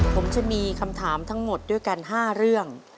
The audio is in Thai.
ผมจะมีคำถามทั้งหมดด้วยกัน๕เรื่อง